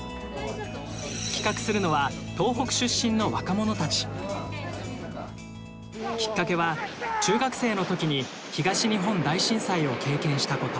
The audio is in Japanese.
企画するのはきっかけは中学生の時に東日本大震災を経験したこと。